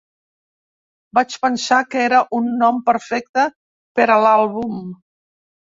Vaig pensar que era un nom perfecte per a l'àlbum.